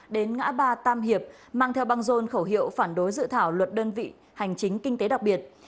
đến ngã ba tam hiệp mang theo băng rôn khẩu hiệu phản đối dự thảo luật đơn vị hành chính kinh tế đặc biệt